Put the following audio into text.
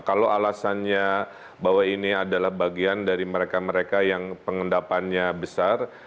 kalau alasannya bahwa ini adalah bagian dari mereka mereka yang pengendapannya besar